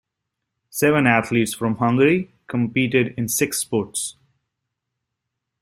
Seven athletes from Hungary competed in six sports.